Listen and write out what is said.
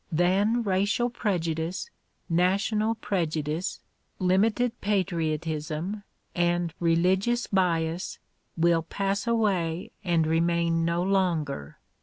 Then racial prejudice, national prejudice, limited patriotism and religious bias will pass away and remain no longer.